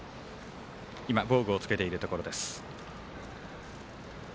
今、防具をつけているところです。